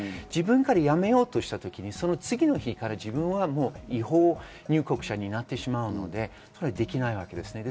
自分から辞めようとした時に、その次の日から自分は違法入国者になってしまうので、できないわけです。